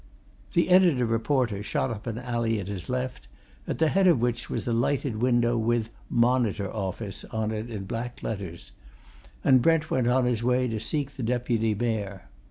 The editor reporter shot up an alley at his left, at the head of which was a lighted window with MONITOR OFFICE on it in black letters; and Brent went on his way to seek the Deputy Mayor.